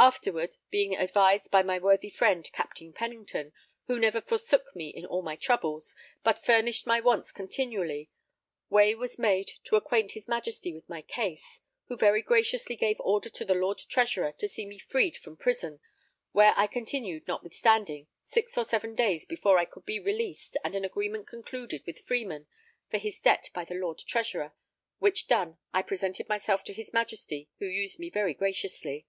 Afterward, being advised by my worthy friend, Captain Pennington, who never forsook me in all my troubles, but furnished my wants continually, way was made to acquaint his Majesty with my case; who very graciously gave order to the Lord Treasurer to see me freed from prison, where I continued, notwithstanding, six or seven days before I could be released and an agreement concluded with Freeman for his debt by the Lord Treasurer; which done, I presented myself to his Majesty who used me very graciously.